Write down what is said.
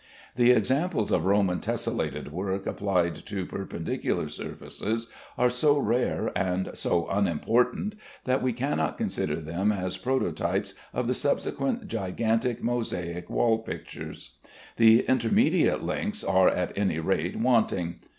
The examples of Roman tessellated work applied to perpendicular surfaces are so rare and so unimportant that we cannot consider them as prototypes of the subsequent gigantic mosaic wall pictures. The intermediate links are at any rate wanting.